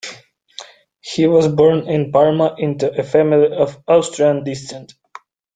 He was born in Parma into a family of Austrian descent.